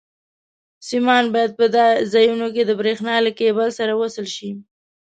سیمان باید په دې ځایونو کې د برېښنا له کېبل سره وصل شي.